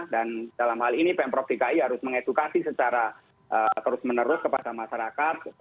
dan dalam hal ini pemprov dki harus mengedukasi secara terus menerus kepada masyarakat